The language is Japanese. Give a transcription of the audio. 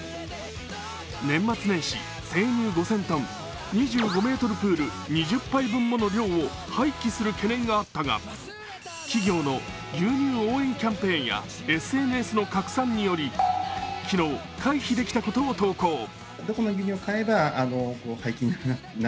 年末年始、生乳５０００ｔ、２５ｍプール２０杯分もの生乳を廃棄する懸念があったが、企業の牛乳応援キャンペーンやＳＮＳの拡散により昨日、回避できたことを投稿。